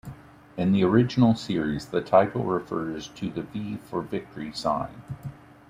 In the original series the title refers to the "V for Victory" sign.